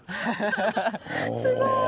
すごい。